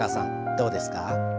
どうですか？